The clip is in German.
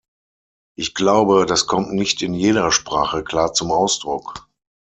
Ich glaube, das kommt nicht in jeder Sprache klar zum Ausdruck.